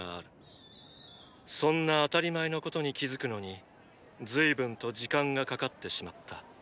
そんな当たり前のことに気付くのにずいぶんと時間がかかってしまった。